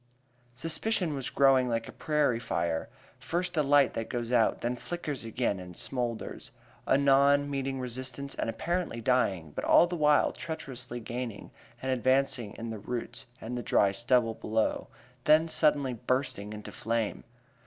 Suspicion was growing like a prairie fire, first a light that goes out, then flickers again and smoulders, anon meeting resistance and apparently dying; but all the while treacherously gaining and advancing in the roots and the dry stubble below, then suddenly bursting into flame.